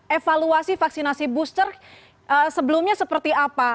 evaluasi vaksinasi booster sebelumnya seperti apa